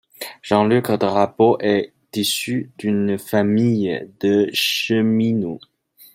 Jean-Luc Drapeau est issu d'une famille de cheminots.